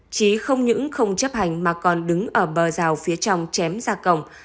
trí không những không chấp hành mà còn đứng ở bờ rào phía trong chém ra cổng